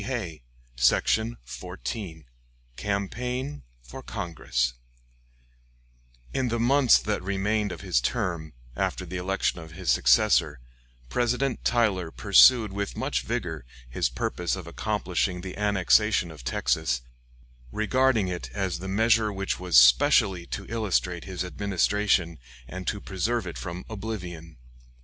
"] CHAPTER XIV CAMPAIGN FOR CONGRESS In the months that remained of his term, after the election of his successor, President Tyler pursued with much vigor his purpose of accomplishing the annexation of Texas, regarding it as the measure which was specially to illustrate his administration and to preserve it from oblivion.